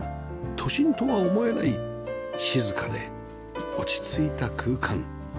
都心とは思えない静かで落ち着いた空間